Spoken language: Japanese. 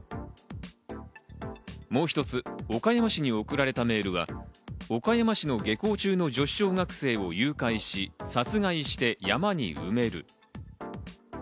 もう一つ、岡山市に送られたメールは岡山市の下校中の女子小学生を誘拐し殺害して山に埋める。